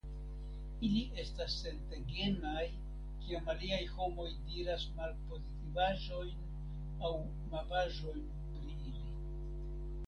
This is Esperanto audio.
Ili estas sentegemaj kiam aliaj homoj diras malpozitivaĵojn aŭ mavaĵojn pri ili.